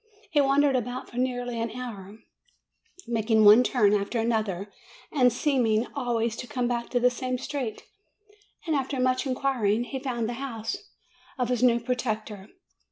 He wandered about for nearly an hour, making one turn after another, and seeming always to come back to the same street; and after much inquiring, he found the house of his new protector.